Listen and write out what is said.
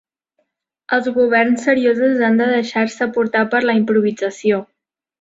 Els governs seriosos han de deixar-se portar per la improvisació.